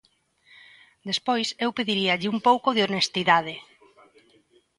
Despois, eu pediríalle un pouco de honestidade.